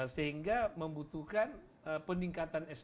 sehingga membutuhkan peningkatan sdm